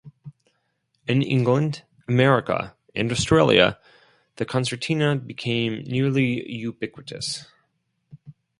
In England, America, and Australia the concertina became nearly ubiquitous.